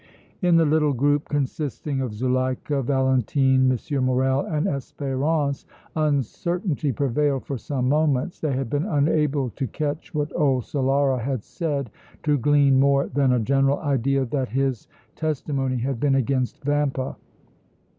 In the little group consisting of Zuleika, Valentine, M. Morrel and Espérance uncertainty prevailed for some moments. They had been unable to catch what old Solara had said, to glean more than a general idea that his testimony had been against Vampa.